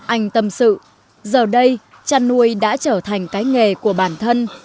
anh tâm sự giờ đây chăn nuôi đã trở thành cái nghề của bản thân